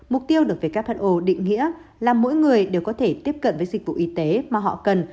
mục tiêu được who định nghĩa là mỗi người đều có thể tiếp cận với dịch vụ y tế mà họ cần